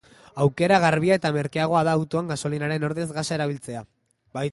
Aukera garbia eta merkeagoa da autoan gasolinaren ordez gasa erabiltzea.